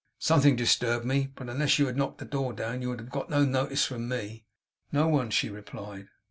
'Something disturbed me; but unless you had knocked the door down, you would have got no notice from me.' 'No one,' she replied.